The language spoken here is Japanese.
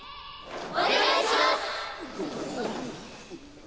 お願いします！